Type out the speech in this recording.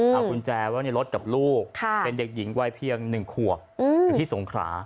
เอากุญแจไว้ในรถกับลูกเป็นเด็กหญิงวัยเพียง๑ขวบอยู่ที่สงขรา